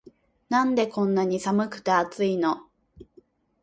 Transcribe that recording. なんでこんなに寒くて熱いの